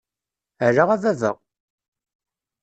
Ala a baba!